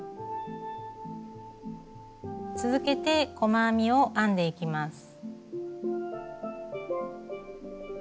続けて細編みを編んでいきます。